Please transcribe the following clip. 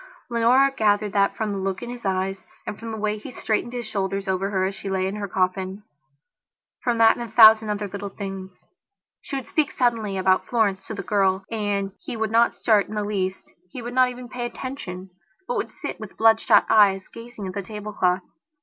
Leonora gathered that from the look in his eyes, and from the way he straightened his shoulders over her as she lay in her coffinfrom that and a thousand other little things. She would speak suddenly about Florence to the girl and he would not start in the least; he would not even pay attention, but would sit with bloodshot eyes gazing at the tablecloth.